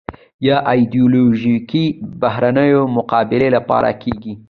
یا ایدیالوژیکو بهیرونو مقابلې لپاره کېږي